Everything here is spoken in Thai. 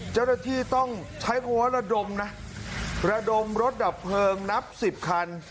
เจ้าหน้าที่ต้องใช้คำว่าระดมนะระดมรถดับเพลิงนับสิบคัน